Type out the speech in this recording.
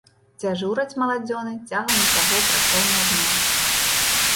Дзяжураць маладзёны цягам усяго працоўнага дня.